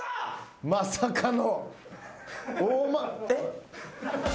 まさかの。